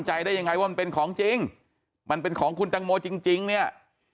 ใจได้ยังไงว่ามันเป็นของจริงมันเป็นของคุณตังโมจริงจริงเนี่ย